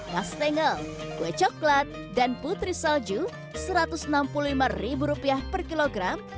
kastengel kue coklat dan putri salju rp satu ratus enam puluh lima per kilogram